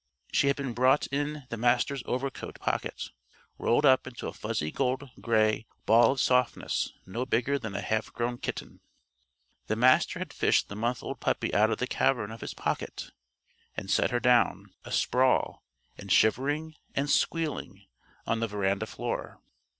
She had been brought in the Master's overcoat pocket, rolled up into a fuzzy gold gray ball of softness no bigger than a half grown kitten. The Master had fished the month old puppy out of the cavern of his pocket and set her down, asprawl and shivering and squealing, on the veranda floor.